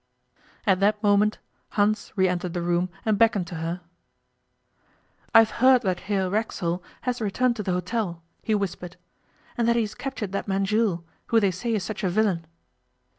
At that moment Hans re entered the room and beckoned to her. 'I have heard that Herr Racksole has returned to the hotel,' he whispered, 'and that he has captured that man Jules, who they say is such a villain.